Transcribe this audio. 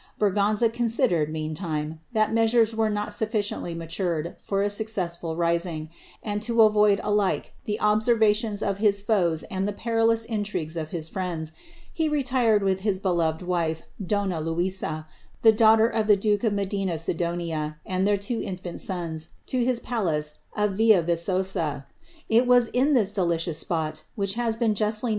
Braganza considered, meantime, that measures were not suffi ciently matured for a successful rising, and to avoid alike the obaerva tions of his foes and the perilous intrigues of his friends, he retired with his beloved wife, donna Luiza, the daughter of the duke of Medina Sido nia, and their two infant sons, to his palace of Villa Vi^oaa. It was in this delicious spot, which has been justly